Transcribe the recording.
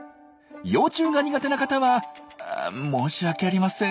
幼虫が苦手な方は申し訳ありません。